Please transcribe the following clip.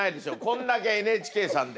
こんだけＮＨＫさんで。